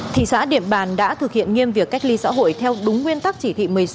thị xã điện bàn đã thực hiện nghiêm việc cách ly xã hội theo đúng nguyên tắc chỉ thị một mươi sáu